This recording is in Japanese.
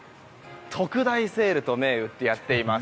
特大セールと銘打ってやっています。